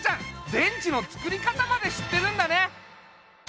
電池のつくり方までしってるんだね。